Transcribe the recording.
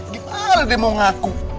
gimana deh mau ngaku